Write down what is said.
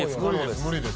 無理です。